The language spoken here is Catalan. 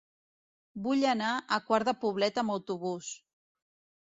Vull anar a Quart de Poblet amb autobús.